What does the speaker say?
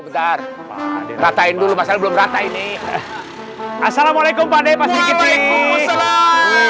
bentar ratain dulu pasal belum rata ini assalamualaikum pak dek pasir kiti